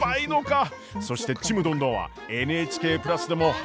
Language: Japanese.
そして「ちむどんどん」は「ＮＨＫプラス」でも配信中！